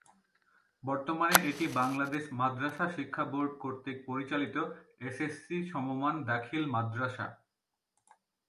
বর্তমানে এটি বাংলাদেশ মাদ্রাসা শিক্ষা বোর্ড কতৃক পরিচালিত এসএসসি সমমান দাখিল মাদ্রাসা।